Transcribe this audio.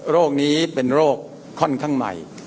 โรคนี้เป็นโรคค่อนข้างใหม่